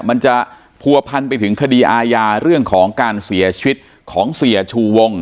มันจะผัวพันไปถึงคดีอาญาเรื่องของการเสียชีวิตของเสียชูวง